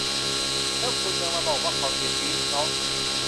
แล้วคุณยังมาบอกว่าเขาเสียชีวิตเพราะ